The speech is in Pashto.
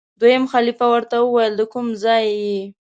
دویم خلیفه ورته وویل دکوم ځای یې؟